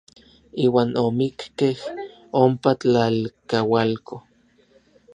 Iuan omikkej ompa tlalkaualko.